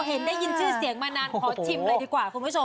เห็นได้ยินชื่อเสียงมานานขอชิมเลยดีกว่าคุณผู้ชม